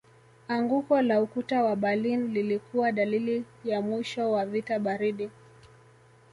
Anguko la ukuta wa Berlin lilikuwa dalili ya mwisho wa vita baridi